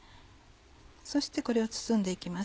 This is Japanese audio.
そしてこれを包んで行きます。